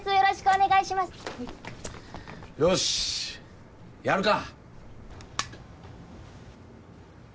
よしやるか！